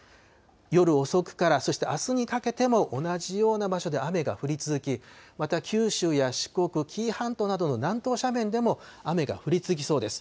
夜遅くから、そしてあすにかけても同じような場所で雨が降り続き、また九州や四国、紀伊半島などの南東斜面でも、雨が降り続きそうです。